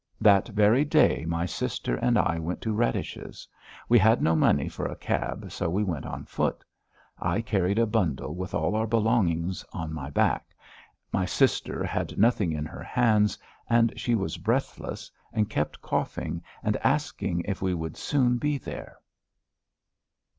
That very day my sister and I went to Radish's. We had no money for a cab, so we went on foot; I carried a bundle with all our belongings on my back, my sister had nothing in her hands, and she was breathless and kept coughing and asking if we would soon be there.